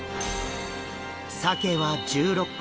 サケは１６個。